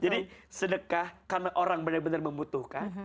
jadi sedekah karena orang benar benar membutuhkan